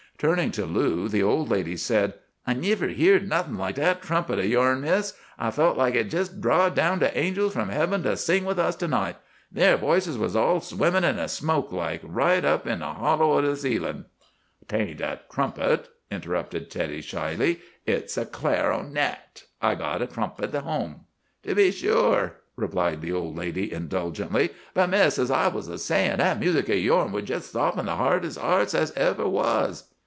"Turning to Lou, the old lady said, 'I never heerd nothing like that trumpet of yourn, Miss. I felt like it jest drawed down the angels from heaven to sing with us to night. Ther voices was all swimming in a smoke like, right up in the hollow of the ceiling.' "''Tain't a trumpet!' interrupted Teddy shyly; 'it's a clar'onet. I got a trumpet home!' "'To be sure!' replied the old lady indulgently. 'But, Miss, as I was a sayin', that music of yourn would jest soften the hardest heart as ever was.